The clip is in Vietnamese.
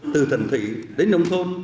từ thần thị đến nông thôn